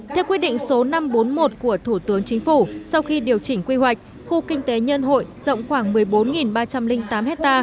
theo quyết định số năm trăm bốn mươi một của thủ tướng chính phủ sau khi điều chỉnh quy hoạch khu kinh tế nhân hội rộng khoảng một mươi bốn ba trăm linh tám ha